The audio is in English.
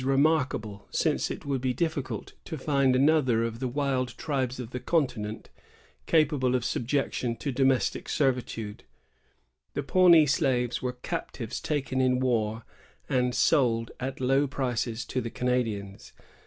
191 remarkable, Hince it would be difficult to find another of the wild triljCA of the continent capable of subjec tion to domestic servitude. The Pawnee slaves were captives taken in war and sold at low prices to the Canadians.